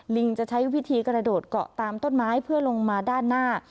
ลิงจะใช้วิธีกระโดดเกาะตามต้นไม้เพื่อลงมาด้านหน้า